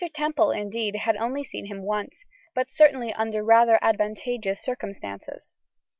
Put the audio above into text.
Temple indeed had only seen him once, but certainly under rather advantageous circumstances.